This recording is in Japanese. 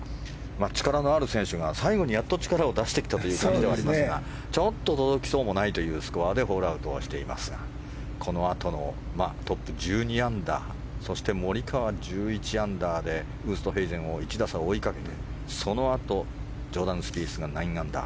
力のある選手が最後にやっと力を出してきたという感じではありますがちょっと届きそうもないというスコアでホールアウトしていますがこのあとのトップ１２アンダーそしてモリカワ、１１アンダーでウーストヘイゼンを１打差で追いかけてそのあとジョーダン・スピースが９アンダー。